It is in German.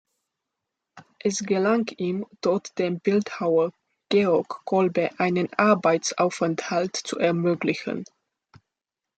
Es gelang ihm, dort dem Bildhauer Georg Kolbe einen Arbeitsaufenthalt zu ermöglichen.